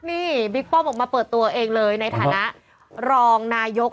นี่บิ๊กป้อมออกมาเปิดตัวเองเลยในฐานะรองนายก